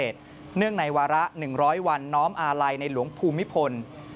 เนื่องในวาระ๑๐๐วันน้อมอาลัยในหลวงภูมิพล